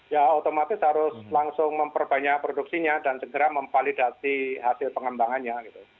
ya otomatis harus langsung memperbanyak produksinya dan segera memvalidasi hasil pengembangannya gitu